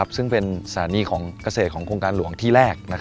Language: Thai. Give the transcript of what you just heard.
ซึ่งเป็นสถานีของเกษตรของโครงการหลวงที่แรก